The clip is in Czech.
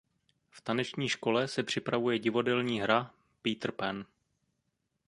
V taneční škole se připravuje divadelní hra Peter Pan.